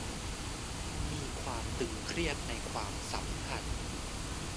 มีความตึงเครียดในความสัมพันธ์